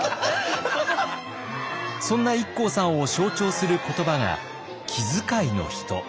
そんなＩＫＫＯさんを象徴する言葉が「気遣いの人」。